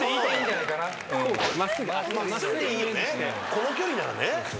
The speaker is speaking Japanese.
この距離ならね。